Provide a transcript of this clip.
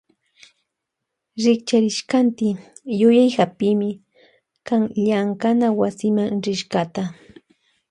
Rikcharishkanti yuyay hapimi kan llankana wasima rishkata.